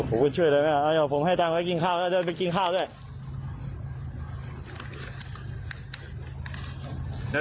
ขอคุณช่วยนะคะนะผมให้กลับไปกินข้าวก็จะไปกินข้าวด้วย